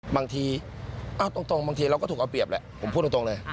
บางทีตรงบางทีเราก็ถูกเอาเปรียบแหละผมพูดตรงเลย